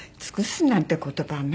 尽くすなんていう言葉